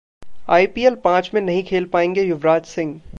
IPL पांच में नहीं खेल पायेंगे युवराज सिंह